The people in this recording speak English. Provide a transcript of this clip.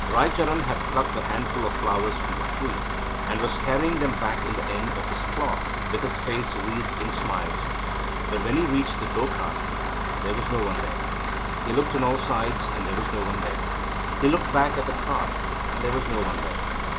Raicharan had plucked a handful of flowers from the tree, and was carrying them back in the end of his cloth, with his face wreathed in smiles. But when he reached the go cart, there was no one there. He looked on all sides and there was no one there. He looked back at the cart and there was no one there.